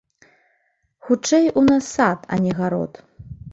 Хутчэй, у нас сад, а не гарод.